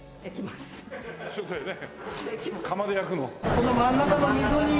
この真ん中の溝に。